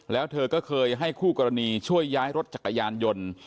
แล้วเธอก็เคยให้คู่กรณีช่วยย้ายรถจักรยานยนต์